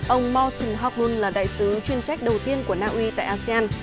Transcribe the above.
ông morton hocklund là đại sứ chuyên trách đầu tiên của naui tại asean